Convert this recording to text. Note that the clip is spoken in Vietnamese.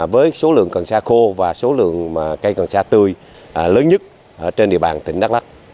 với số lượng cần sa khô và số lượng cây cần sa tươi lớn nhất trên địa bàn tỉnh đắk lắc